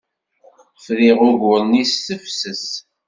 Friɣ ugur-nni s tefses.